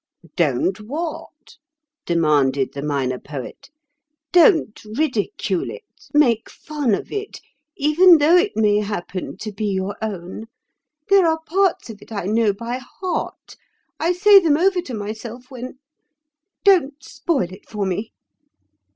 "Don't what?" demanded the Minor Poet. "Don't ridicule it—make fun of it, even though it may happen to be your own. There are parts of it I know by heart. I say them over to myself when— Don't spoil it for me."